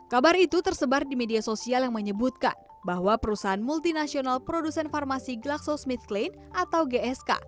kabar itu tersebar di media sosial yang menyebutkan bahwa perusahaan multinasional produsen farmasi glaxosmith clean atau gsk